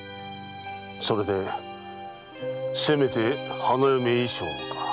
それでせめて花嫁衣装をか。